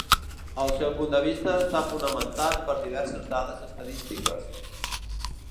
El seu punt de vista està fonamentat per diverses dades estadístiques.